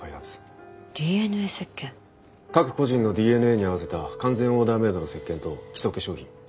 各個人のＤＮＡに合わせた完全オーダーメードの石鹸と基礎化粧品。